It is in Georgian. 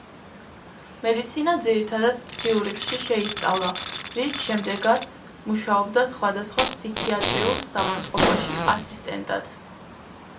მედიცინა ძირითადად ციურიხში შეისწავლა, რის შემდეგაც მუშაობდა სხვადასხვა ფსიქიატრიულ საავადმყოფოში ასისტენტად.